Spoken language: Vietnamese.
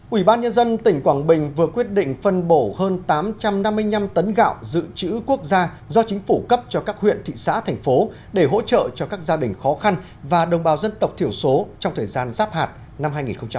ủy ban nhân dân tỉnh quảng bình vừa quyết định phân bổ hơn tám trăm năm mươi năm tấn gạo dự trữ quốc gia do chính phủ cấp cho các huyện thị xã thành phố để hỗ trợ cho các gia đình khó khăn và đồng bào dân tộc thiểu số trong thời gian giáp hạt năm hai nghìn hai mươi